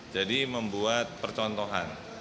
jadi membuat percontohan